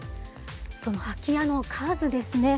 その空き家の数ですね。